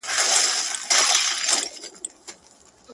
ژوند دلته بند کتاب دی چا یې مخ کتلی نه دی,